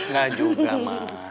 gak juga ma